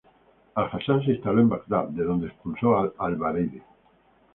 Al-Hasan se instaló en Bagdad, de donde expulsó a Al-Baridi.